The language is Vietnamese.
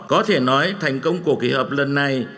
có thể nói thành công của kỳ họp lần này